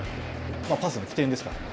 パスの起点ですから。